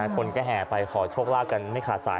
คนโกหกลัวไปข้อโชคลากันไม่ขาดสาย